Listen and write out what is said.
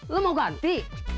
lu mau ganti